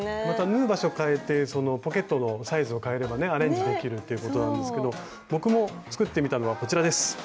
また縫う場所を変えてポケットのサイズを変えればアレンジできるっていうことなんですけど僕も作ってみたのはこちらです。